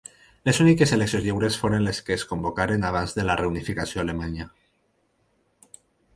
Les úniques eleccions lliures foren les que es convocaren abans de la Reunificació alemanya.